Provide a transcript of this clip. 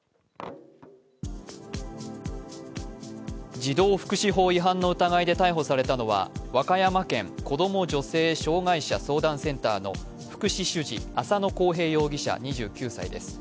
児童福祉法違反の疑いで逮捕されたのは、和歌山県子ども・女性・障害者相談センターの福祉主事、浅野紘平容疑者２９歳です。